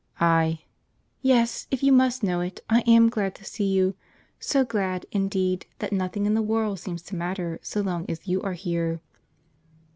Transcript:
I. "Yes, if you must know it, I am glad to see you; so glad, indeed, that nothing in the world seems to matter so long as you are here."